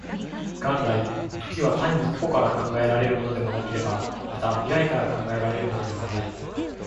元来、時は単に過去から考えられるものでもなければ、また未来から考えられるものでもない。